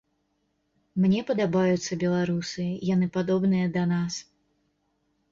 Мне падабаюцца беларусы, яны падобныя да нас.